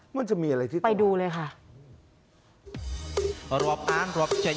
มันจะมีอะไรที่ต้อง